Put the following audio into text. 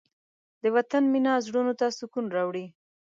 د وطن مینه زړونو ته سکون راوړي.